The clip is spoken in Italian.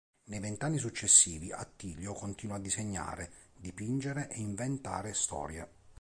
Nei vent’anni successivi, Attilio continua a disegnare, dipingere e inventare storie.